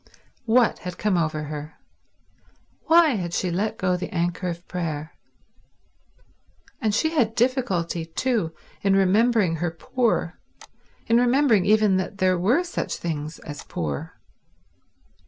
What had come over her? Why had she let go the anchor of prayer? And she had difficulty, too, in remembering her poor, in remembering even that there were such things as poor.